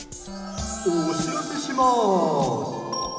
・おしらせします。